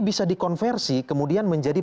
bisa dikonversi kemudian menjadi